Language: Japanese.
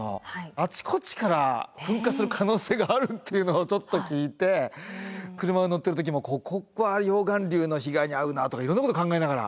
あちこちから噴火する可能性があるっていうのをちょっと聞いて車に乗ってる時もここは溶岩流の被害に遭うなとかいろんなこと考えながら。